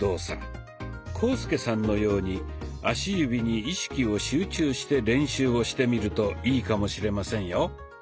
浩介さんのように足指に意識を集中して練習をしてみるといいかもしれませんよ。